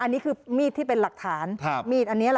นี่หม